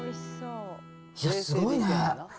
いや、すごいね。